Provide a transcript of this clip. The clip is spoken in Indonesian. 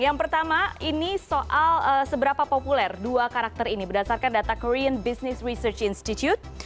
yang pertama ini soal seberapa populer dua karakter ini berdasarkan data korean business research institute